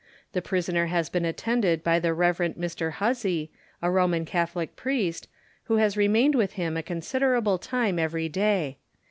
The prisoner has been attended by the Rev. Mr. Hussey, a Roman Catholic priest, who has remained with him a considerable time every day.